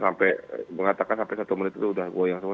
sampai mengatakan sampai satu menit itu sudah goyang semua